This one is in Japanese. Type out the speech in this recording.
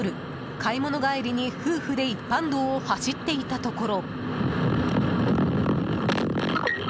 買い物帰りに、夫婦で一般道を走っていたところ。